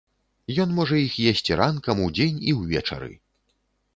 Ён можа іх есці ранкам, удзень і ўвечары!